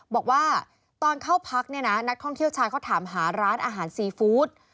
บอกว่าตอนเข้าพักเนี่ยนะนักท่องเที่ยวชายเขาถามหาร้านอาหารซีฟู้ด